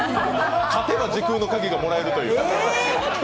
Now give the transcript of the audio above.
勝てば時空の鍵がもらえるという。